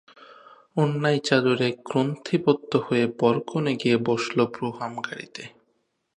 ওড়নায়-চাদরে গ্রন্থিবদ্ধ হয়ে বরকনে গিয়ে বসল ব্রুহাম গাড়িতে।